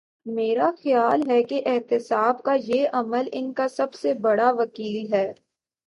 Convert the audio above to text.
میرا خیال ہے کہ احتساب کا یہ عمل ان کا سب سے بڑا وکیل ہے۔